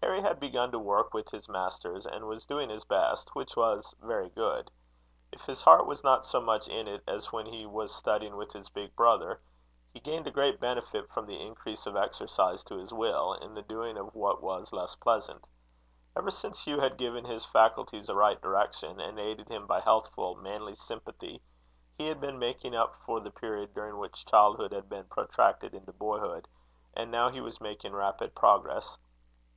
Harry had begun to work with his masters, and was doing his best, which was very good. If his heart was not so much in it as when he was studying with his big brother, he gained a great benefit from the increase of exercise to his will, in the doing of what was less pleasant. Ever since Hugh had given his faculties a right direction, and aided him by healthful manly sympathy, he had been making up for the period during which childhood had been protracted into boyhood; and now he was making rapid progress.